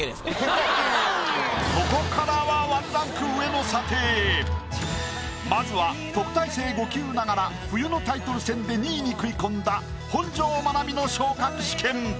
ここからはまずは特待生５級ながら冬のタイトル戦で２位に食い込んだ本上まなみの昇格試験。